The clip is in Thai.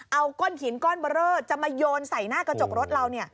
เอาก้อนหินก้อนเบอร์เรอจะมาโยนใส่หน้ากระจกรถเรา